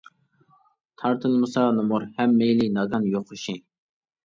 تارتىلمىسا نومۇر ھەم مەيلى ناگان يوقىشى.